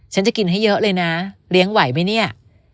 จะกินให้เยอะเลยนะเลี้ยงไหวไหมเนี่ย